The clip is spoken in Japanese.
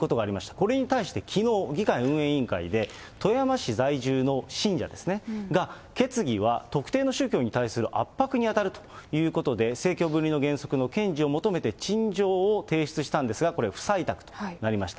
これに対してきのう、議会運営委員会で、富山市在住の信者が、決議は特定の宗教に対する圧迫に当たるということで、政教分離の原則の堅持を求めて陳情を提出したんですが、これは不採択となりました。